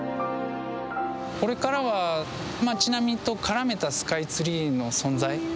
これからは町並みと絡めたスカイツリーの存在。